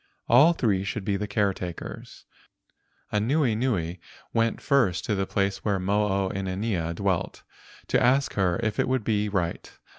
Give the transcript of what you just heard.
All three should be the caretakers. Ii8 LEGENDS OF GHOSTS Anuenue went first to the place where Mo o inanea dwelt, to ask her if it would be right.